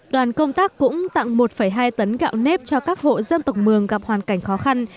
đoàn công tác cũng tặng một hai tấn gạo nếp cho các hộ dân tộc mường gặp hoàn cảnh khó khăn